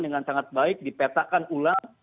dengan sangat baik dipetakan ulang